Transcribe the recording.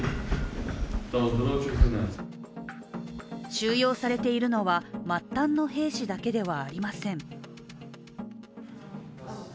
収容されているのは、末端の兵士だけではありません。